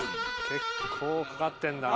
結構かかってんだね。